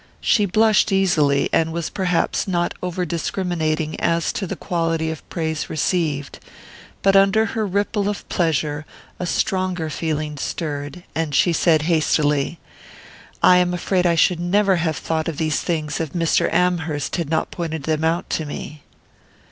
She blushed easily, and was perhaps not over discriminating as to the quality of praise received; but under her ripple of pleasure a stronger feeling stirred, and she said hastily: "I am afraid I never should have thought of these things if Mr. Amherst had not pointed them out to me."